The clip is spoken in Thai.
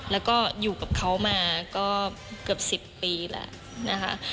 แล้วก็อยู่กับเขามาก็เกือบ๑๐ปีแล้วนะคะ